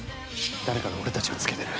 誰かが俺たちをつけてる。